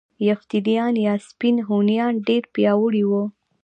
یفتلیان یا سپین هونیان ډیر پیاوړي وو